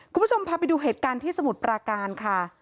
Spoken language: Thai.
คุณผู้ชมพาไปดูเหตุการณ์ที่สมุทรปราการค่ะ